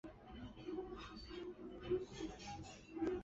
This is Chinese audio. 图卢兹勒沙托人口变化图示